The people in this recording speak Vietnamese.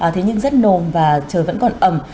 thế nhưng rất nồm và trời vẫn còn ẩm